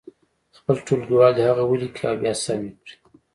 خپل ټولګیوال دې هغه ولیکي او بیا سم یې کړي.